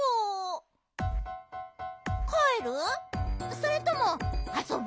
それともあそぶ？